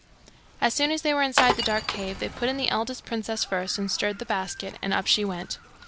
As soon as they were inside the dark cave, they put in the eldest princess first, and stirred the basket, and up she went.